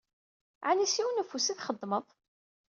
Ɛni s yiwen ufus i txeddmeḍ?